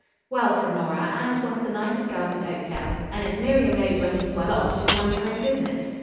"Well," said Nora, "Anne is one of the nicest girls in Oakdale, and if Miriam knows when she's well off she'll mind her own business."